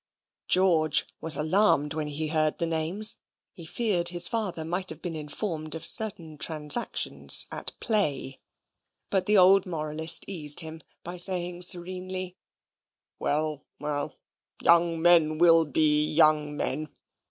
George was alarmed when he heard the names. He feared his father might have been informed of certain transactions at play. But the old moralist eased him by saying serenely: "Well, well, young men will be young men.